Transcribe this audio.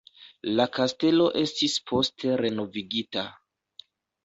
La kastelo estis poste renovigita.